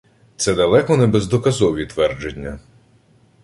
Це далеко не бездоказові твердження